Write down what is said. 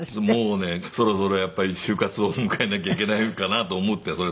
もうねそろそろやっぱり終活を迎えなきゃいけないかなと思って。